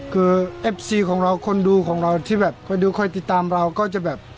คือเอฟซีของเราคนดูของเราที่แบบคอยดูคอยติดตามเราก็จะแบบ